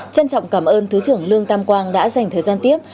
trân trọng cảm ơn thứ trưởng lương tam quang đã dành thời gian tiếp